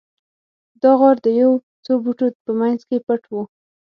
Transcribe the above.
دا غار د یو څو بوټو په مینځ کې پټ و